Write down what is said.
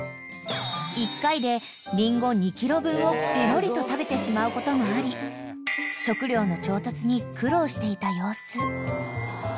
［１回でリンゴ２ｋｇ分をペロリと食べてしまうこともあり食料の調達に苦労していた様子］